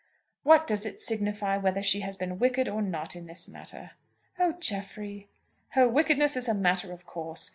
"What does it signify whether she has been wicked or not in this matter?" "Oh, Jeffrey!" "Her wickedness is a matter of course.